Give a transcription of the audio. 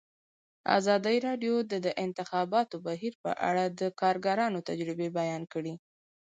ازادي راډیو د د انتخاباتو بهیر په اړه د کارګرانو تجربې بیان کړي.